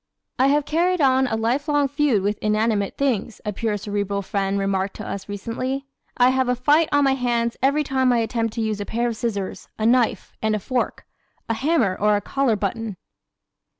"I have carried on a life long feud with inanimate things," a pure Cerebral friend remarked to us recently. "I have a fight on my hands every time I attempt to use a pair of scissors, a knife and fork, a hammer or a collar button."